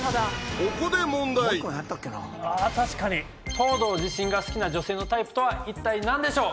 東堂自身が好きな女性のタイプとは一体なんでしょう？